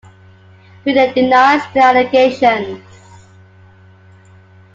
Gooden denies the allegations.